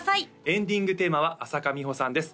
エンディングテーマは朝花美穂さんです